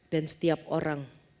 dan setiap orang